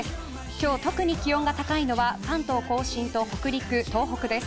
今日特に気温が高いのは関東甲信と北陸、東北です。